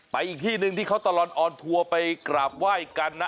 อีกที่หนึ่งที่เขาตลอดออนทัวร์ไปกราบไหว้กันนะ